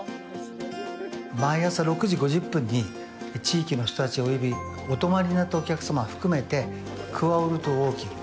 毎朝６時５０分に地域の人達およびお泊まりになったお客様含めてクアオルトウォーキング